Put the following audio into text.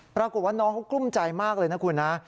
ปรากฏว่าน้องเขากลุ้มใจมากเลยนะคุณนะ